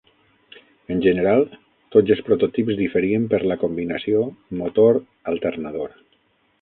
En general, tots els prototips diferien per la combinació motor-alternador.